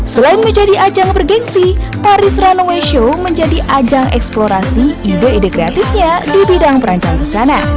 selain menjadi ajang bergensi paris runway show menjadi ajang eksplorasi ide ide kreatifnya di bidang perancang busana